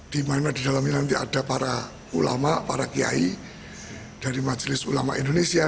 di mana di dalamnya nanti ada para ulama para kiai dari majelis ulama indonesia